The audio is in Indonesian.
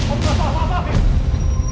om gak tau apa apa afif